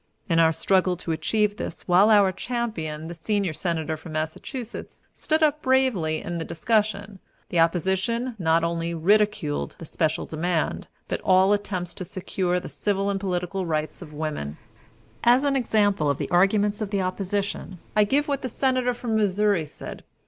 In our struggle to achieve this, while our champion, the senior Senator from Massachusetts, stood up bravely in the discussion, the opposition not only ridiculed the special demand, but all attempts to secure the civil and political rights of women. As an example of the arguments of the opposition, I give what the Senator from Missouri said.